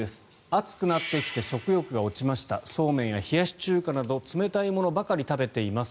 暑くなってきて食欲が落ちましたそうめんや冷やし中華など冷たいものばかり食べています